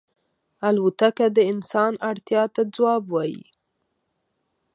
الوتکه د انسان اړتیا ته ځواب وايي.